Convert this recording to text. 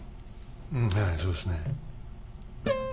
うんはいそうですね。